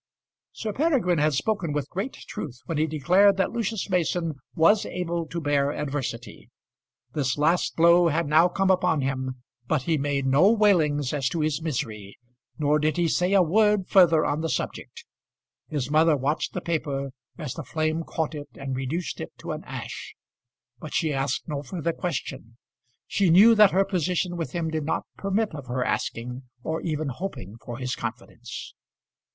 Sir Peregrine had spoken with great truth when he declared that Lucius Mason was able to bear adversity. This last blow had now come upon him, but he made no wailings as to his misery, nor did he say a word further on the subject. His mother watched the paper as the flame caught it and reduced it to an ash; but she asked no further question. She knew that her position with him did not permit of her asking, or even hoping, for his confidence.